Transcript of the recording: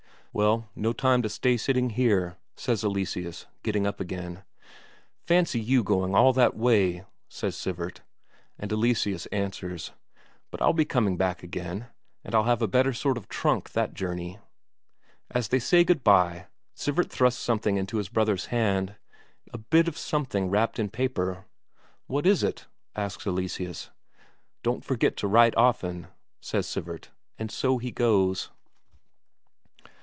"Well, no time to stay sitting here," says Eleseus, getting up again. "Fancy you going all that way," says Sivert. And Eleseus answers: "But I'll be coming back again. And I'll have a better sort of trunk that journey." As they say good bye, Sivert thrusts something into his brother's hand, a bit of something wrapped in paper. "What is it?" asks Eleseus. "Don't forget to write often," says Sivert. And so he goes.